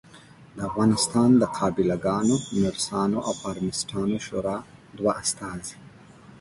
د افغانستان د قابلګانو ، نرسانو او فارمیسټانو شورا دوه استازي